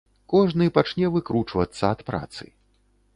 Кожны пачне выкручвацца ад працы.